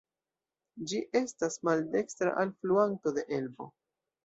Ĝi estas maldekstra alfluanto de Elbo.